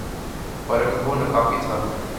اوراگر وہ ناکافی تھا۔